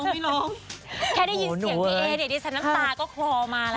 แค่ได้ยินเสียงพี่เอดิฉันน้ำตาก็คลอมาแล้ว